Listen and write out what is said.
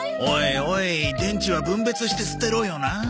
おいおい電池は分別して捨てろよな。